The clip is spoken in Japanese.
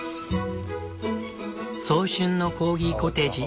早春のコーギコテージ。